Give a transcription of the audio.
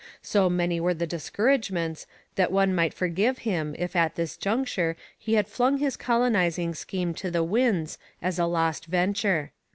So many were the discouragements that one might forgive him if at this juncture he had flung his colonizing scheme to the winds as a lost venture.